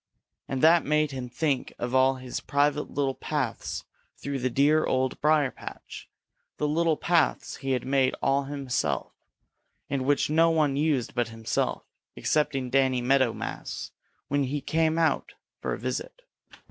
And that made him think of all his private little paths through the dear Old Briar patch, the little paths he had made all himself, and which no one used but himself, excepting Danny Meadow Mouse when he came for a visit.